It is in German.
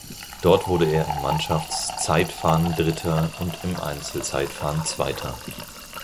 Dort wurde er im Mannschaftszeitfahren Dritter und im Einzelzeitfahren Zweiter.